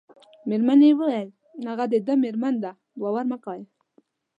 مېرمنې یې وویل: هغه د ده مېرمن ده، باور مه کوئ.